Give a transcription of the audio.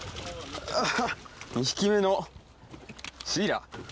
２匹目のシイラ。